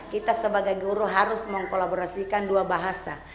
kita sebagai guru harus mengkolaborasikan dua bahasa